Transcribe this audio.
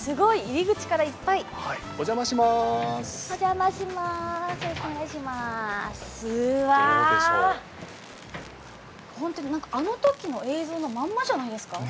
うわー、本当にあの時の映像のままじゃないですか。